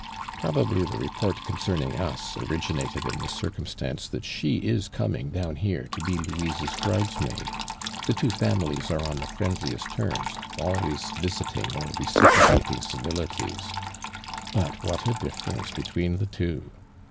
Probably the report concerning us origi nated in the circumstance that she is coming down here to be Louise's bridesmaid. The two familieo, are on the friendliest terms, always visiting or reci])rocating civilities. But what a difference between the two!